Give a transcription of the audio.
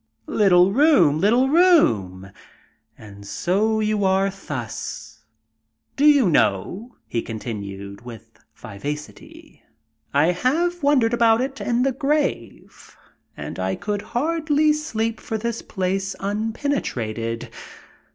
"Little room, little room! And so you are thus! Do you know," he continued, with vivacity, "I have wondered about it in the grave, and I could hardly sleep for this place unpenetrated.